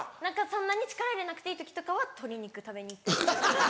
そんなに力入れなくていい時とかは鶏肉食べに行ったり。